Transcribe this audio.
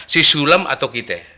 si sulam atau kita